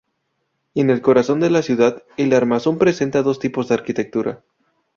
En el corazón de la ciudad, el armazón presenta dos tipos de arquitectura.